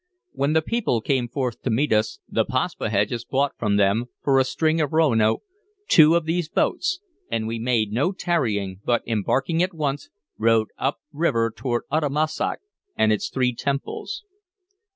When the people came forth to meet us, the Paspaheghs bought from them, for a string of roanoke, two of these boats; and we made no tarrying, but, embarking at once, rowed up river toward Uttamussac and its three temples.